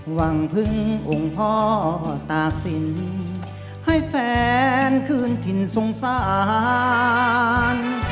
หวังพึ่งองค์พ่อตากศิลป์ให้แฟนคืนถิ่นสงสาร